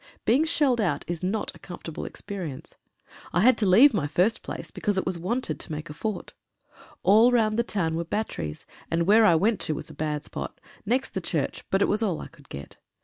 Being shelled out is not a comfortable experience. I had to leave my first place because it was wanted to make a fort. All round the town were batteries, and where I went to was a bad spot — next the church, but it was all I could get.